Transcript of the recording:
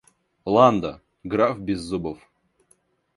Ландо — граф Беззубов.